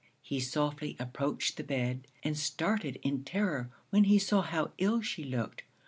He softly approached the bed, and started in terror when he saw how ill she looked.